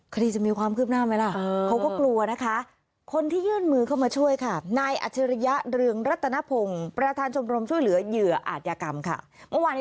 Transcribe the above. คดีจะมีความคืบหน้าไหมล่ะ